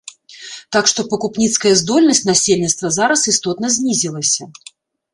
Так што пакупніцкая здольнасць насельніцтва зараз істотна знізілася.